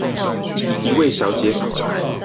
一位小姐跑來